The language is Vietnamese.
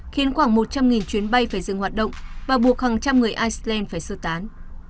khiến khoảng một trăm linh chuyến bay phải dừng hoạt động và buộc hàng trăm người iceland phải sơ tán